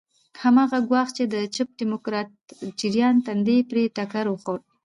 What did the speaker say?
هماغه ګواښ چې د چپ ډیموکراتیک جریان تندی پرې ټکر وخوړ.